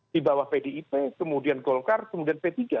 di bawah pdip kemudian golkar kemudian p tiga